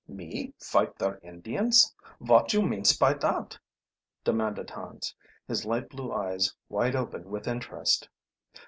"Me fight der Indians? Vot you means py dot?" demanded Hans, his light blue eyes wide open with interest.